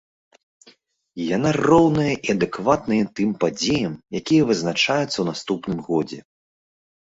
Яна роўная і адэкватная тым падзеям, якія вызначаюцца ў наступным годзе.